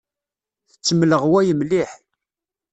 Tettemleɣway mliḥ.